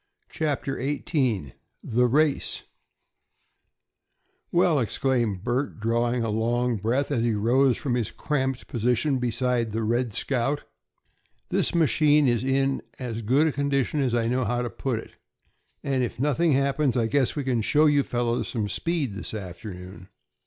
CHAPTER XVIII THE RACE "Well," exclaimed Bert, drawing a long breath as he rose from his cramped position beside the "Red Scout," "this machine is in as good condition as I know how to put it, and if nothing happens I guess we can show you fellows some speed this afternoon."